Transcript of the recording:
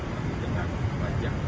tapi dengan wajah yang berwarna terlihat